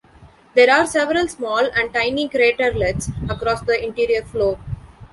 There are several small and tiny craterlets across the interior floor.